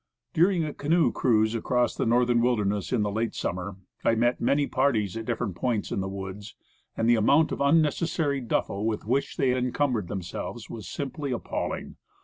During a canoe cruise across the Northern Wilder ness in the summer of '83, I met many parties at different points in the woods, and the amount of unnecessary duffle with which they encumbered them selves was simply appalling.